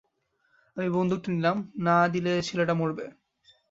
আমি বন্দুক টা নিলাম, না দিলে ছেলেটা মরবে।